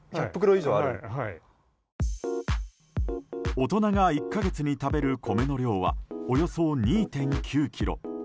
大人が１か月に食べる米の量はおよそ２．９ｋｇ。